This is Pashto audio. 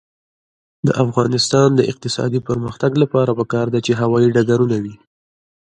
د افغانستان د اقتصادي پرمختګ لپاره پکار ده چې هوايي ډګرونه وي.